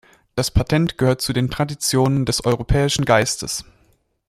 Das Patent gehört zu den Traditionen des europäischen Geistes.